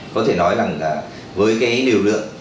có thể nói rằng là với cái liều lượng